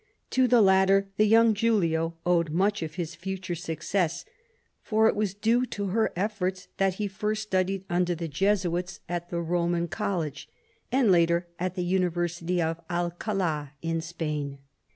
To the latter the young Giulio owed much of his future success, for it was due to her efforts that he first studied under the Jesuits at the Roman 5 B 2 MAZARIN CHAP. College, and later at the University of AlcaU in Spain.